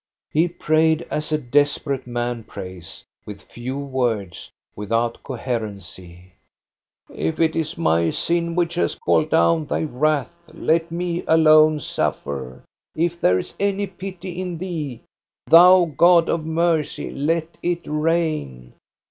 He prayed as a desperate man prays, with few words, without coherency. " If it is my sin which has called down Thy wrath, let me alone suffer ! If there is any pity in Thee, Thou God of mercy, let it rain